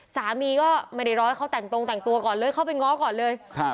สามีก็ไม่ได้รอให้เขาแต่งตรงแต่งตัวก่อนเลยเข้าไปง้อก่อนเลย